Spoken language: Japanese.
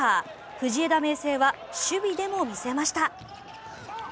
藤枝明誠は守備でも見せました。